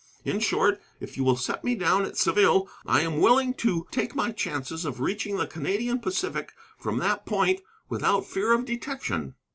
In short, if you will set me down at Saville, I am willing to take my chances of reaching the Canadian Pacific from that point without fear of detection."